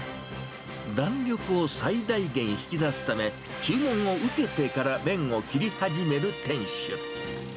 弾力を最大限引き出すため、注文を受けてから麺を切り始める店主。